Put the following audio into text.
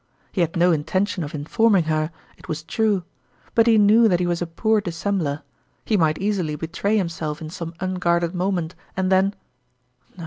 He had no intention of informing her, it was true ; but he knew that he was a poor dis sembler he might easily betray himself in some unguarded moment, and then No